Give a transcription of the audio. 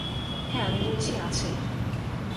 হ্যাঁ, আমি বলছি আছে।